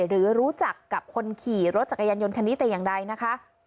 หรือรู้จักกับคนขี่รถจักรยานยนต์คันนี้แต่อย่างใดนะคะ